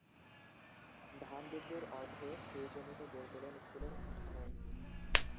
ধান বিক্রির অর্থে সেই জমিতে গড়ে তোলেন স্কুলের কাঠামো।